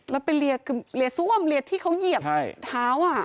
แล้วไปเรียกเรียกซ่วมเรียกที่เขาเหยียบเท้าอ่ะ